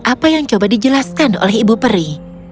apa yang coba dijelaskan oleh ibu peri